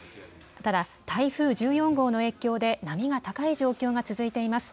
ただ台風１４号の影響で波が高い状況が続いています。